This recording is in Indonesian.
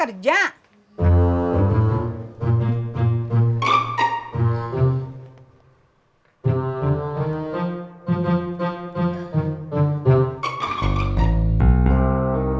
yang di dunia memiliki